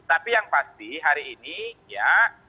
tapi yang pasti hari ini ya